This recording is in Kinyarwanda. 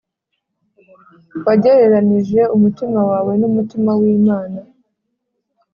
Wagereranije umutima wawe n’ umutima w’ Imana